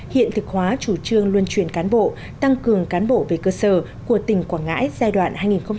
hiện thực hóa chủ trương luân chuyển cán bộ tăng cường cán bộ về cơ sở của tỉnh quảng ngãi giai đoạn hai nghìn một mươi sáu hai nghìn hai mươi